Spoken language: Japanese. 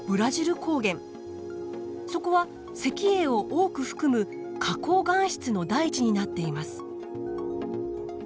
そこは石英を多く含む花崗岩質の大地になっています。